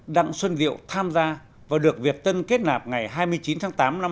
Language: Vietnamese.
đặng xuân điệu tham gia và được việt tân kết nạp ngày hai mươi chín tháng tám năm hai nghìn chín